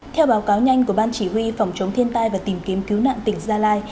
theo báo cáo nhanh của ban chỉ huy phòng chống thiên tai và tìm kiếm cứu nạn tỉnh gia lai